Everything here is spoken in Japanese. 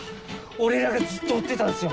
俺らがずっと追ってたんすよ